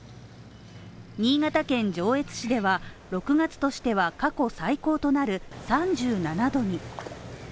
新潟県上越市では、６月としては過去最高となる３７度に。